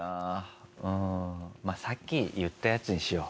うんさっき言ったやつにしよう。